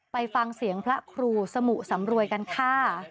ไปฟังเสียงพระครูสมุสำรวยกันค่ะ